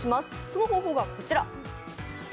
その方法がこちら。